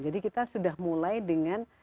jadi kita sudah mulai dengan